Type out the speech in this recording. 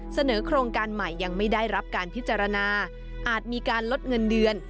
เสนอโครงการใหม่ยังไม่ได้รับการพิจารณาอาจมีการลดเงินเดือน